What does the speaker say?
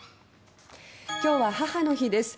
今日は、母の日です。